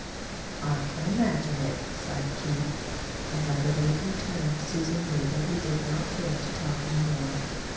"I can imagine it," sighed Keith. And by the way he turned away Susan knew that he did not care to talk any more.